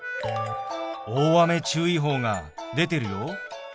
大雨注意報が出てるよ。